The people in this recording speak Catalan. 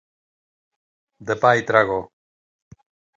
De pa i trago.